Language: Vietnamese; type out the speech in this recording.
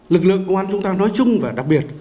lực lượng công an chúng ta nói chung và đặc biệt